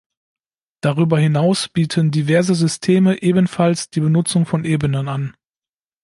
Darüber hinaus bieten diverse Systeme ebenfalls die Benutzung von Ebenen an.